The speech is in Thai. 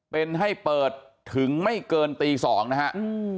เป็นให้เปิดถึงไม่เกินตี๒นะฮะ